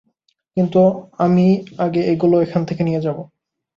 কিন্তু, আমিই আগে এগুলো এখান থেকে নিয়ে যাবো।